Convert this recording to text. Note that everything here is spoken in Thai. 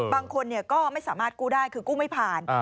บางคนก็ไม่สามารถกู้ได้คือกู้ไม่ผ่าน